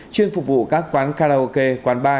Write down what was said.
chuyên phục vụ các quán karaoke quán bar